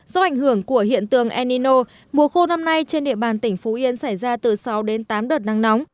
do ảnh hưởng của hiện tượng enino mùa khô năm nay trên địa bàn tỉnh phú yên xảy ra từ sáu đến tám đợt nắng nóng